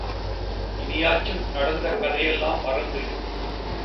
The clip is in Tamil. இனியாச்சும் நடந்த கதையையெல்லாம் மறந்திடு.